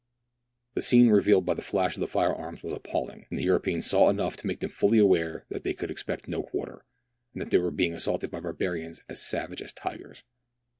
The scene revealed by the flash of the fire arms was appalling, and the Europeans saw enough to make them fully aware that they could expect no quarter, and that they were being assaulted by barbarians as savage as tigers.